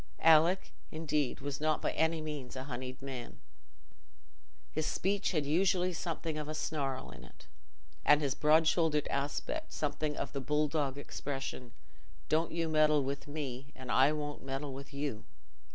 Alick, indeed, was not by any means a honeyed man. His speech had usually something of a snarl in it, and his broad shouldered aspect something of the bull dog expression—"Don't you meddle with me, and I won't meddle with you."